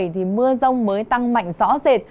thì mưa rông mới tăng mạnh rõ rệt